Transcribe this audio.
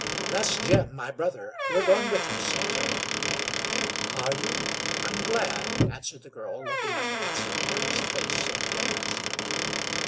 "That's Jim, my brother. We're going with you," said Joe. "Are you? I'm glad," answered the girl, looking at the handsome earnest face of the young minister.